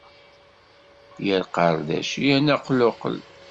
Yar qardac yerna aqluqel.